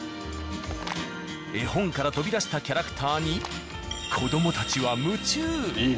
絵本から飛び出したキャラクターに子どもたちは夢中。